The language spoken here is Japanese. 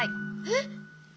えっ！？